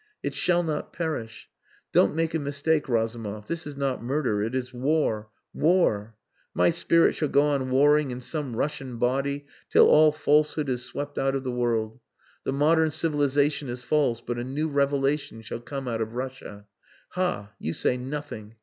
It shall not perish. Don't make a mistake, Razumov. This is not murder it is war, war. My spirit shall go on warring in some Russian body till all falsehood is swept out of the world. The modern civilization is false, but a new revelation shall come out of Russia. Ha! you say nothing.